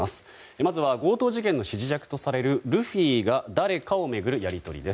まずは強盗事件の指示役とされるルフィが誰かを巡るやり取りです。